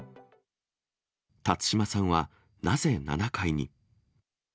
辰島さんはなぜ７階に。